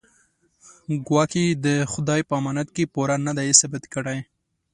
ګواکې د خدای په امانت کې پوره نه دی ثابت کړی.